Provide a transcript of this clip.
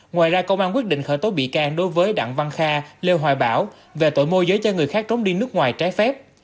ngoài ra công an quyết định khởi tố bị can đối với đặng văn kha lê hoài bảo về tội mô giới cho người khác trốn đi nước ngoài trái phép